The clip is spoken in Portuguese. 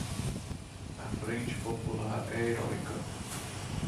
A Frente Popular é heroica